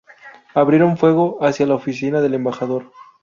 Abrieron fuego hacia la oficina del embajador.